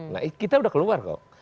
nah kita udah keluar kok